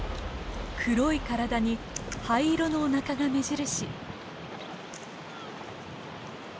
黒い体に灰色のおなかが目印。